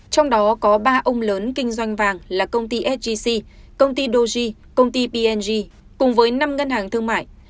trong đó có ba ông lớn kinh doanh vàng là công ty sgc công ty doji công ty png cùng với năm ngân hàng thương mại